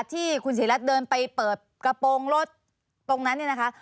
ที่คุณศรีรัฐเดินไปเปิดกระโปรงรถตรงนั้นเนี่ยนะคะ